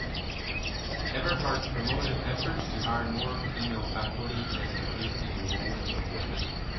Everhart promoted efforts to hire more female faculty and increase the enrollment of women.